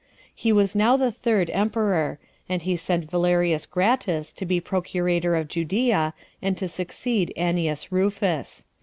He was now the third emperor; and he sent Valerius Gratus to be procurator of Judea, and to succeed Annius Rufus.